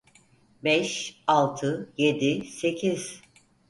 Beş, altı, yedi, sekiz…